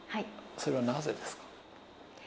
それはなぜですか？